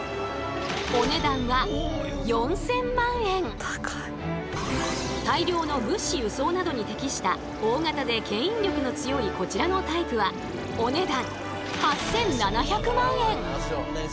お値段は大量の物資輸送などに適した大型で牽引力の強いこちらのタイプはお値段